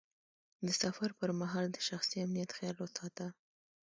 د سفر پر مهال د شخصي امنیت خیال وساته.